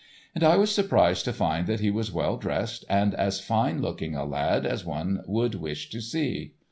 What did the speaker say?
And I was surprised to find that he was as well dressed and as fine looking a lad as one would wish to see.